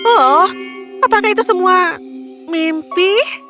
oh apakah itu semua mimpi